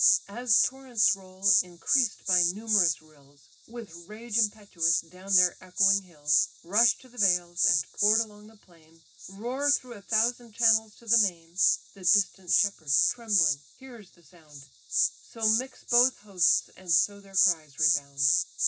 As torrents roll, increased by numerous rills, With rage impetuous, down their echoing hills Rush to the vales, and pour'd along the plain, Roar through a thousand channels to the main: The distant shepherd trembling hears the sound; So mix both hosts, and so their cries rebound.